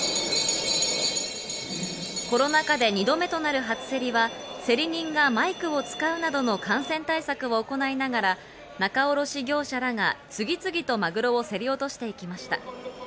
コロナ禍で２度目となる初競りは競り人がマイクを使うなどの感染対策を行いながら、仲卸業者らが次々とマグロを競り落としていきました。